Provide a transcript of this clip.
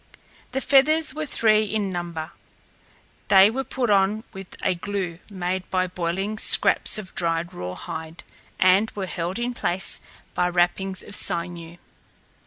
The feathers were three in number. They were put on with a glue, made by boiling scraps of dried rawhide, and were held in place by wrappings of sinew.